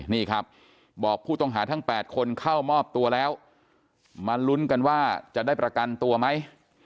นี่ครับบอกผู้ต้องหาทั้ง๘คนเข้ามอบตัวแล้วมาลุ้นกันว่าจะได้ประกันตัวไหม